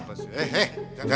saya yang disuruh ngantra